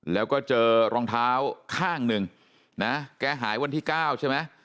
แล้วก็เจอรองเท้าข้างหนึ่งนะแกหายวันที่๙ใช่ไหม